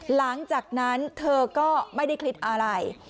หลังจากนั้นเธอก็ไม่ได้คิดอะไร